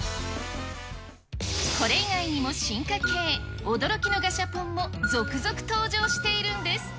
これ以外にも進化系、驚きのガシャポンも続々登場しているんです。